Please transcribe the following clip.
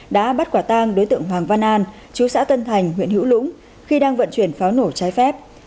đã bắt quả tang đối tượng hoàng văn an chú xã tân thành huyện hữu lũng khi đang vận chuyển pháo nổ trái phép